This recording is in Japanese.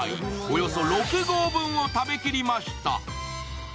およそ６合分を食べきりました。